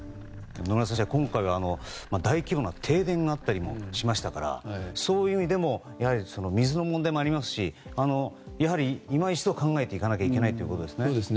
野村先生、今回は大規模な停電があったりもしましたからそういう意味でも水の問題もありますしやはり今一度考えていかないといけないですね。